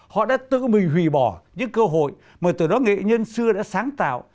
họ đã tự mình hủy bỏ những cơ hội mà từ đó nghệ nhân xưa đã sáng tạo